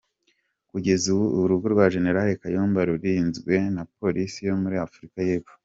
Kugeza ubu urugo rwa General Kayumba rurinzwe na Polisi yo muri Afrika y’epfo.